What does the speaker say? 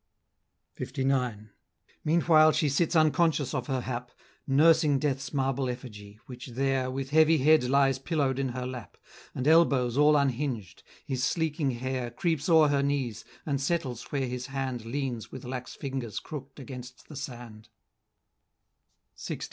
LIX. Meanwhile she sits unconscious of her hap, Nursing Death's marble effigy, which there With heavy head lies pillow'd in her lap, And elbows all unhinged; his sleeking hair Creeps o'er her knees, and settles where his hand Leans with lax fingers crook'd against the sand; LX.